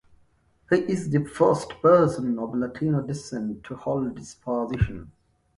He is the first person of Latino descent to hold this position.